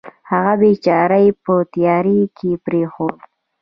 هغه بېچاره یې په تیارې کې پرېښود.